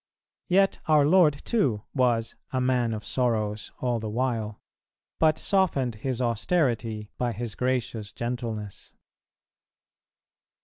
Yet our Lord too was "a man of sorrows" all the while, but softened His austerity by His gracious gentleness.